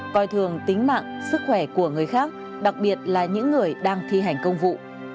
coi thường tính mạng sức khỏe của người khác đặc biệt là những người đang thi hành công vụ